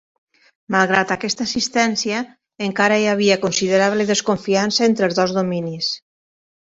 Malgrat aquesta assistència, encara hi havia considerable desconfiança entre els dos dominis.